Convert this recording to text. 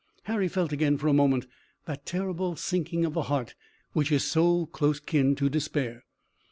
Harry felt again for a moment that terrible sinking of the heart which is such close kin to despair.